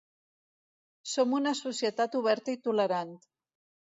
Som una societat oberta i tolerant.